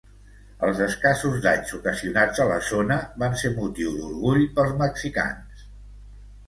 Els escassos danys ocasionats a la zona van ser motiu d'orgull pels mexicans.